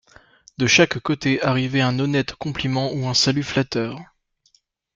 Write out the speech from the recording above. De chaque côté arrivait un honnête compliment ou un salut flatteur.